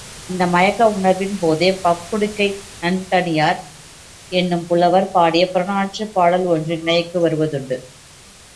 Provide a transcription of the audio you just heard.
இந்த மயக்க உணர்வின் போதே, பக்குடுக்கை நன்கணியார் என்னும் புலவர் பாடிய புறநானூற்றுப் பாடல் ஒன்று நினைவுக்கு வருவதுண்டு.